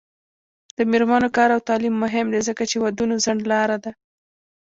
د میرمنو کار او تعلیم مهم دی ځکه چې ودونو ځنډ لاره ده.